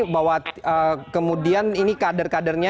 bahwa kemudian ini kader kadernya